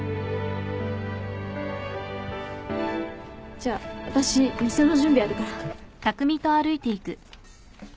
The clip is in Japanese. じゃあ私店の準備あるから。